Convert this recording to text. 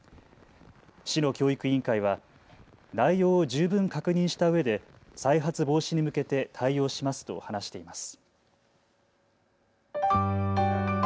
市の教育委員会は内容を十分確認したうえで再発防止に向けて対応しますと話しています。